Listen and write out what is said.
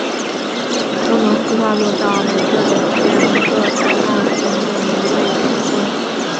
都能细化落到每一个检察院、每一个办案部门和每一位检察官